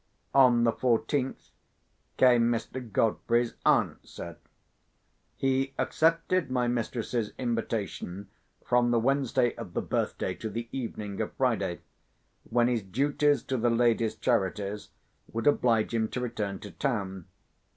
On the fourteenth, came Mr. Godfrey's answer. He accepted my mistress's invitation, from the Wednesday of the birthday to the evening of Friday—when his duties to the Ladies' Charities would oblige him to return to town.